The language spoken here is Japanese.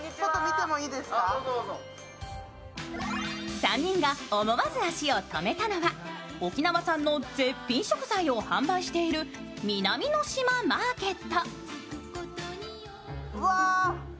３人が思わず足を止めたのは沖縄産の絶品食材を販売している美南島マーケット。